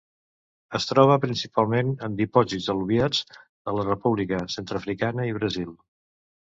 Es troba, principalment, en dipòsits al·luvials de la República Centreafricana i Brasil.